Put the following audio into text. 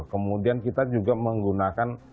kemudian kita juga menggunakan